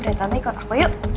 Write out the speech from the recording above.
udah tante ikut aku yuk